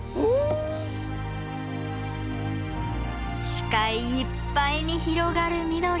視界いっぱいに広がる緑。